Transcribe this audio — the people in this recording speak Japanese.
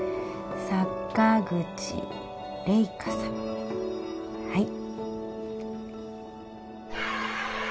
サカグチレイカさんはい。